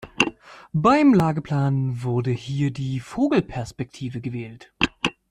Beim Lageplan wurde hier die "Vogelperspektive" gewählt.